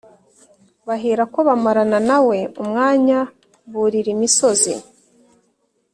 baherako bamarana na we umwanya burira imisozi